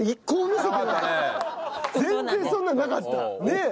全然そんなのなかった！ねえ？